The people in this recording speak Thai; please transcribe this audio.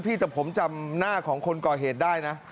แต่ผมจำหน้าของคนก่อเหตุได้นะ